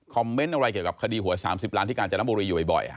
เมนต์อะไรเกี่ยวกับคดีหวย๓๐ล้านที่กาญจนบุรีอยู่บ่อย